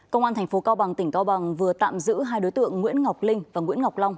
công an tp cao bằng tỉnh cao bằng vừa tạm giữ hai đối tượng nguyễn ngọc linh và nguyễn ngọc long